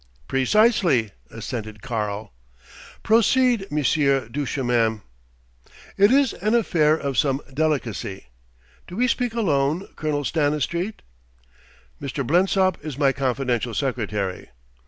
"Precisely," assented "Karl." "Proceed, Monsieur Duchemin." "It is an affair of some delicacy.... Do we speak alone, Colonel Stanistreet?" "Mr. Blensop is my confidential secretary...."